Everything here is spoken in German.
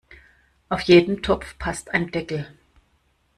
Auf jeden Topf passt ein Deckel.